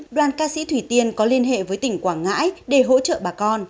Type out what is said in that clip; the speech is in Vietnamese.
đoàn ca sĩ thủy tiên có liên hệ với tỉnh quảng ngãi để hỗ trợ bà con